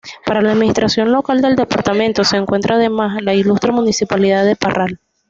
Para la administración local del departamento se encuentra, además, la Ilustre Municipalidad de Parral.